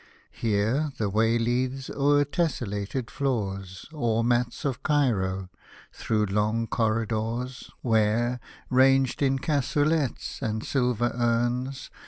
Here, the way leads, o'er tesselated floors Or mats of Cairo, through long corridors, Where, ranged in cassolets and silver urns.